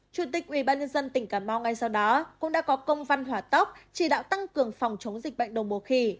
chủ tịch ubnd tỉnh cà mau ngay sau đó cũng đã có công văn hỏa tóc chỉ đạo tăng cường phòng chống dịch bệnh đồng mùa khỉ